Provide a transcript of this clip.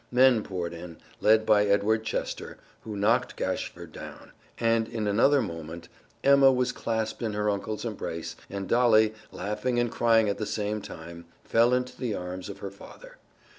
Men poured in, led by Edward Chester, who knocked Gashford down; and in another moment Emma was clasped in her uncle's embrace, and Dolly, laughing and crying at the same time, fell into the arms of her father.